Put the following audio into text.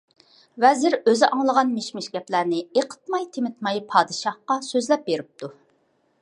ۋەزىر ئۆزى ئاڭلىغان مىش-مىش گەپلەرنى ئېقىتماي-تېمىتماي پادىشاھقا سۆزلەپ بېرىپتۇ.